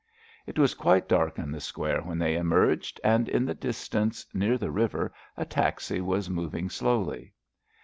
It was quite dark in the square when they emerged, and in the distance, near the river, a taxi was moving slowly.